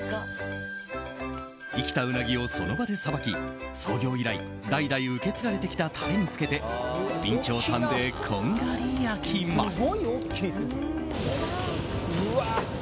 生きたウナギをその場でさばき創業以来、代々受け継がれてきたタレにつけて備長炭でこんがり焼きます。